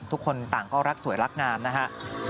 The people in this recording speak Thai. ทุกคนต่างก็รักสวยรักงามนะฮะ